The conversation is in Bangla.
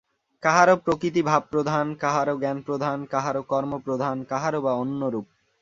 কাহারও প্রকৃতি ভাবপ্রধান, কাহারও জ্ঞানপ্রধান, কাহারও কর্মপ্রধান, কাহারও বা অন্যরূপ।